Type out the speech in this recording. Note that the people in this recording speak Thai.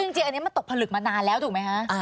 จริงอันนี้มันตกผลึกมานานแล้วถูกไหมคะ